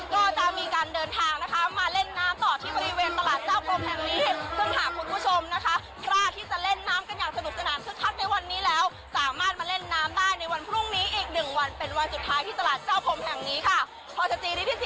ก็จะมีการเดินทางนะคะมาเล่นน้ำต่อที่บริเวณตลาดเจ้าพมแห่งนี้